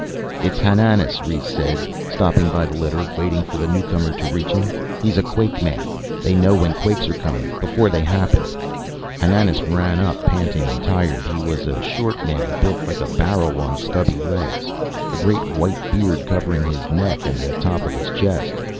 "It's Hananas," Rhes said, stopping by the litter, waiting for the newcomer to reach him. "He's a quakeman. They know when quakes are coming, before they happen." Hananas ran up, panting and tired. He was a short man, built like a barrel on stubby legs, a great white beard covering his neck and the top of his chest.